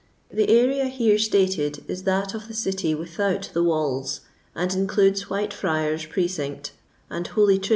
T ThearS lure suted It that of the city without the walla, and indudca White Frian prednct and Holy VTh7.'